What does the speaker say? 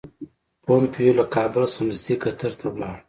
پومپیو له کابل څخه سمدستي قطر ته ولاړ.